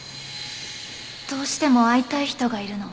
どうしても会いたい人がいるの。